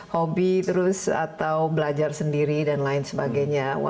hobi terus atau belajar sendiri dan lain sebagainya